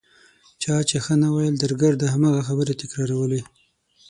چا چې ښه نه ویل درګرده هماغه خبرې تکرارولې.